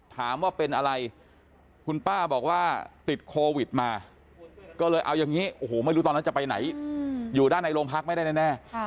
ถามว่าเป็นอะไรคุณป้าบอกว่าติดโควิดมาก็เลยเอาอย่างนี้โอ้โหไม่รู้ตอนนั้นจะไปไหนอยู่ด้านในโรงพักไม่ได้แน่